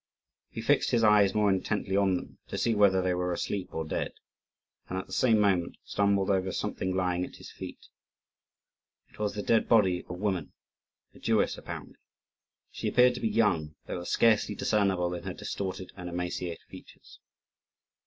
He fixed his eyes more intently on them, to see whether they were asleep or dead; and, at the same moment, stumbled over something lying at his feet. It was the dead body of a woman, a Jewess apparently. She appeared to be young, though it was scarcely discernible in her distorted and emaciated features.